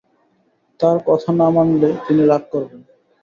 তাঁর কথা না মানলে তিনি রাগ করবেন।